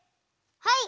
はい！